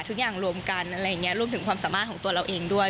ทุกอย่างรวมกันอะไรอย่างนี้รวมถึงความสามารถของตัวเราเองด้วย